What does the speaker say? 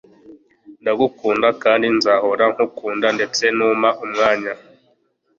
ndagukunda kandi nzahora ngukunda ndetse numpa umwanya